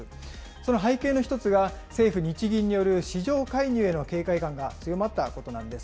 その背景の１つが、政府・日銀による市場介入への警戒感が強まったことなんです。